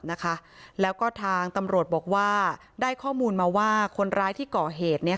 นะคะแล้วก็ทางตำรวจบอกว่าได้ข้อมูลมาว่าคนร้ายที่ก่อเหตุเนี้ย